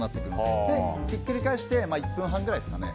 そして、ひっくり返して１分半ぐらいですかね。